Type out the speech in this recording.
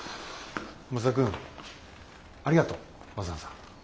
松田君ありがとうわざわざ。